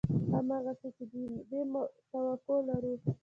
همغسې چې د دې توقع لرو